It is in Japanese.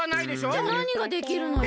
じゃあなにができるのよ？